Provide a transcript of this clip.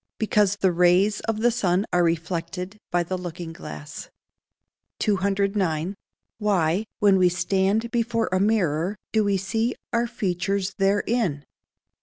_ Because the rays of the sun are reflected by the looking glass. 209. _Why, when we stand before a mirror, do we see our features therein?